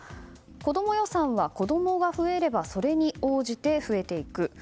子ども予算は子供が増えればそれに応じて増えていく。